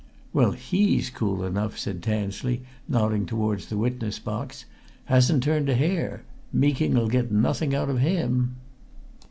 "Well, he's cool enough," said Tansley, nodding towards the witness box. "Hasn't turned a hair! Meeking'll get nothing out of him!"